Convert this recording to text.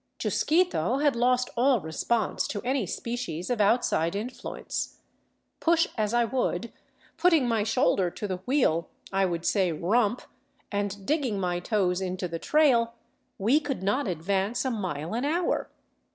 Chusquito had lost all response to any species of outside influence. Push as I would, putting my shoulder to the wheel — I would say rump — and digging my toes into the trail, we could not advance a mile an hour.